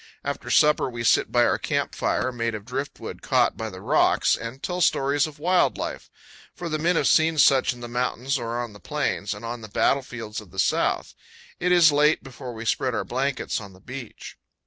After supper we sit by our camp fire, made of driftwood caught by the rocks, and tell stories of wild life; for the men have seen such in the mountains or on the plains, and on the battlefields of the South. It is late before we spread our blankets on the beach.